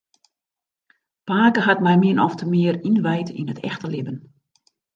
Pake hat my min ofte mear ynwijd yn it echte libben.